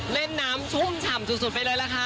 เล่นน้ำชุ่มฉ่ำสุดไปเลยล่ะค่ะ